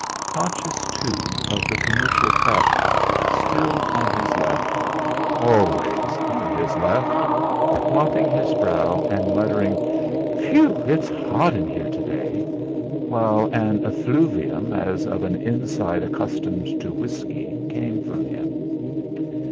Conscious, too, of the commercial traveller, still on his left always on his left! mopping his brow, and muttering: "Phew! It's hot in there to day!" while an effluvium, as of an inside accustomed to whisky came from him.